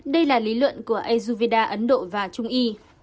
đây là lý luận của ezovida ấn độ và trung y